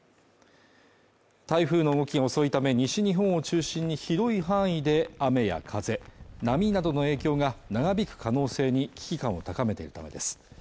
台風の動きが遅いため西日本を中心に広い範囲で雨や風波などの影響が長引く可能性に危機感を高めているためです